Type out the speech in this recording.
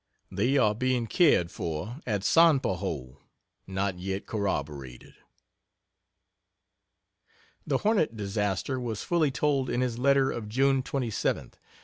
They are being cared for at Sanpahoe (Not yet corroborated)." The Hornet disaster was fully told in his letter of June 27th.